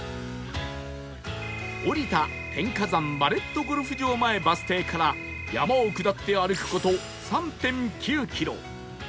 降りた天下山マレットゴルフ場前バス停から山を下って歩く事 ３．９ キロ